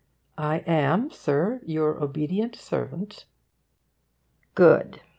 I am, Sir, your obedient servant' good!